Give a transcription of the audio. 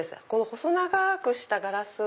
細長くしたガラスの。